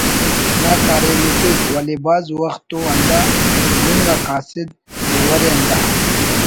نا کاریم ءِ کیک (ولے بھاز وخت تو ہندا گُنگ آ قاصد ڈیور ءِ ہندا